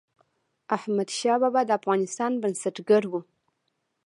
احمدشاه بابا د افغانستان بنسټګر و.